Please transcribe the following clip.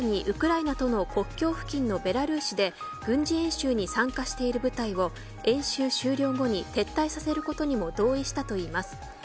ウクライナとの国境付近のベラルーシで軍事演習に参加している部隊を演習終了後に撤退させることにも同意したといいます。